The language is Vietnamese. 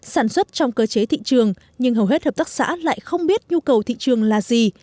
sản xuất trong cơ chế thị trường nhưng hầu hết hợp tác xã lại không biết nhu cầu thị trường là gì